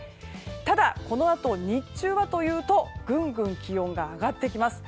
ただ、このあと日中はというとぐんぐん気温が上がってきます。